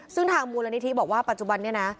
ซึ่งทางมูลนิธิบอกว่าปัจจุบันนี้นะ